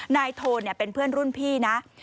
นายโทนเป็นเพื่อนรุ่นพี่นะ